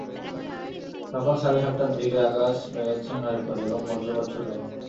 সকাল সাড়ে সাতটার দিকে আকাশ মেঘাচ্ছন্ন হয়ে পড়ে এবং বজ্রপাত শুরু হয়।